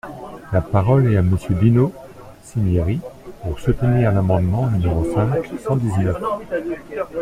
La parole est à Monsieur Dino Cinieri, pour soutenir l’amendement numéro cinq cent dix-neuf.